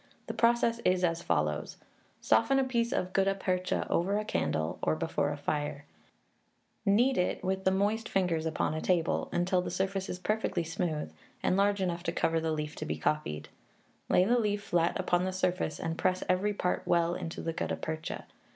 The process is as follows: Soften a piece of gutta percha over a candle, or before a fire; knead it with the moist fingers upon a table, until the surface is perfectly smooth, and large enough to cover the leaf to be copied; lay the leaf flat upon the surface, and press every part well into the gutta percha.